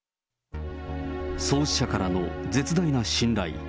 創始者からの絶大な信頼。